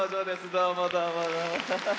どうもどうもどうも。